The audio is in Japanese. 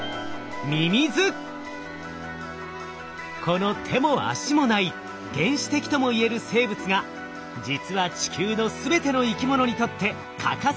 この手も足もない原始的ともいえる生物が実は地球の全ての生き物にとって欠かせない存在。